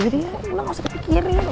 jadi ya udah nggak usah dipikirin